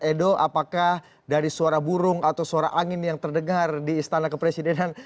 edo apakah dari suara burung atau suara angin yang terdengar di istana kepresidenan